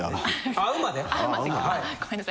会うまでか。